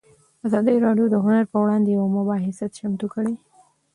ازادي راډیو د هنر پر وړاندې یوه مباحثه چمتو کړې.